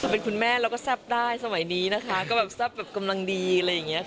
เป็นคุณแม่เราก็แซ่บได้สมัยนี้นะคะก็แบบแซ่บแบบกำลังดีอะไรอย่างนี้ค่ะ